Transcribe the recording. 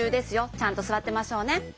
ちゃんとすわってましょうね。